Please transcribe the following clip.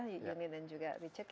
yuni dan juga richard